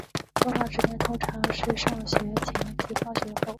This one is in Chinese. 播放时间通常是上学前及放学后。